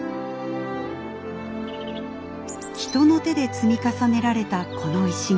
人の手で積み重ねられたこの石垣。